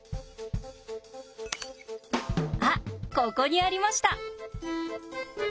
あっここにありました！